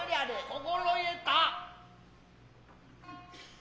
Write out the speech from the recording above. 心得た。